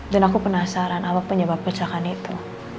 dan aku penasaran apa penyebab perjalanan itu